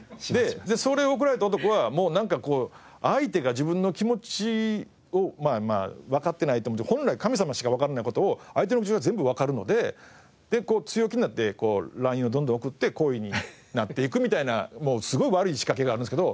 でそれを送られた男は相手が自分の気持ちをわかってないと思って本来神様しかわからない事を相手の全部わかるので強気になってＬＩＮＥをどんどん送って恋になっていくみたいなもうすごい悪い仕掛けがあるんですけど。